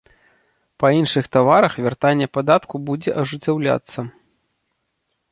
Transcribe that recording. Па іншых таварах вяртанне падатку будзе ажыццяўляцца.